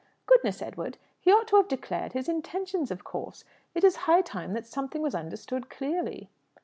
Goodness, Edward! He ought to have declared his intentions, of course. It is high time that something was understood clearly."